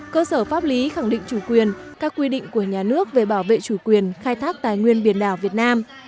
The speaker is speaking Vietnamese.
cơ sở pháp lý khẳng định chủ quyền các quy định của nhà nước về bảo vệ chủ quyền khai thác tài nguyên biển đảo việt nam